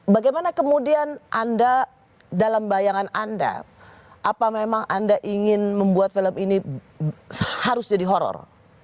bagaimana kemudian anda dalam bayangan anda apa memang anda ingin membuat film ini harus jadi horror